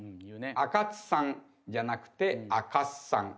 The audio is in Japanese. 「赤津さん」じゃなくて「あかっさん」。